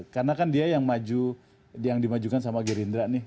karena kan dia yang maju yang dimajukan sama gerindra nih